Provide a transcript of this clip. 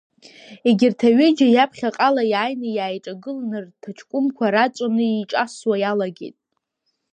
Егьырҭ аҩыџьа иаԥхьаҟала иааины иааиҿагылан, рҭаҷкәымқәа раҵәаны иҿасуа иалагеит.